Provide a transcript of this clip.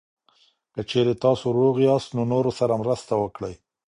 که چېرې تاسو روغ یاست، نو نورو سره مرسته وکړئ.